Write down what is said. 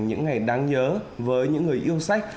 những ngày đáng nhớ với những người yêu sách